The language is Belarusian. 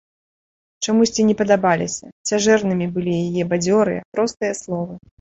Чамусьці не падабаліся, цяжэрнымі былі яе бадзёрыя, простыя словы.